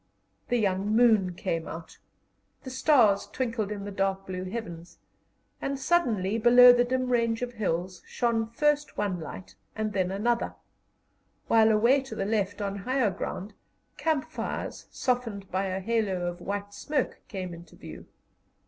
The young moon came out, the stars twinkled in the dark blue heavens, and suddenly, below the dim range of hills, shone first one light and then another; while away to the left, on higher ground, camp fires, softened by a halo of white smoke, came into view.